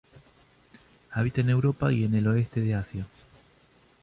Habita en Europa y en el oeste de Asia.